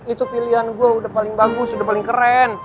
itu pilihan gue udah paling bagus sudah paling keren